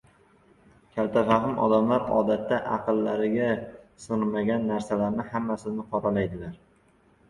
Kaltafahm odamlar odatda aqllariga sng‘magan narsalarning hammasini qoralaydilar.